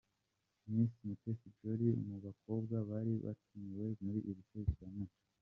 Miss Mutesi Jolly mu bakobwa bari batumiwe muri iri serukiramuco.